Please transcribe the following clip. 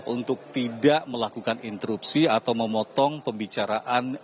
untuk tidak melakukan interupsi atau memotong pembicaraan